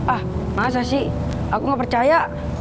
ah masa sih aku nggak percaya